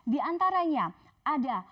di antaranya ada